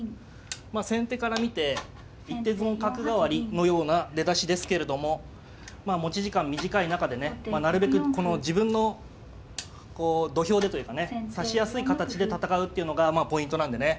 先手から見て一手損角換わりのような出だしですけれども持ち時間短い中でねなるべくこの自分の土俵でというかね指しやすい形で戦うっていうのがポイントなんでね。